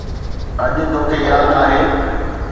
اڄ توکي ياد آهي